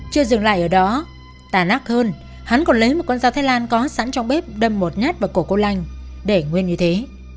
chưa dừng lại ở đó tà nắc hơn hắn còn lấy một con dao thái lan có sẵn trong bếp đâm một nhát vào cổ cô lanh để nguyên như thế